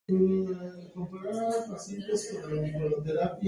Pero nunca hemos querido hacer un Ser humano!!